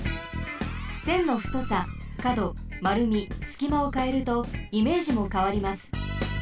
せんのふとさかどまるみすきまをかえるとイメージもかわります。